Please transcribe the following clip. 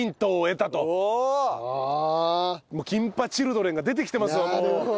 もうキンパチルドレンが出てきてますわもう。